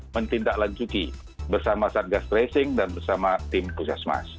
mentindaklanjuti bersama satgas racing dan bersama tim pusat mas